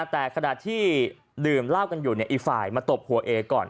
แต่ขณะที่เหลือเล่ากันอยู่เนี่ยอีฟ่ายมาตบหัวเอ๊ก่อน